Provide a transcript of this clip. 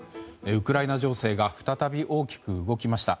ウクライナ情勢が再び大きく動きました。